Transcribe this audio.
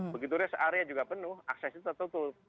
begitu rest area juga penuh aksesnya tertutup